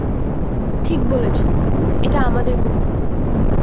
ঠিক বলেছো, এটা আমাদের কুকুর!